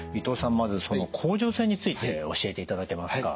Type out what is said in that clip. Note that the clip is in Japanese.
まずその甲状腺について教えていただけますか？